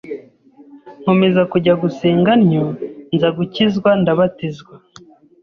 nkomeza kujya gusenga ntyo nza gukizwa ndabatizwa